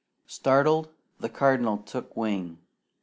Startled, the Cardinal took wing.